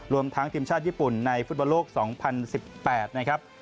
รวมทั้งทีมชาติญี่ปุ่นในฟุตบอลโลก๒๐๑๘นะครับ